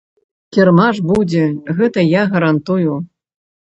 Кірмаш будзе, гэта я гарантую.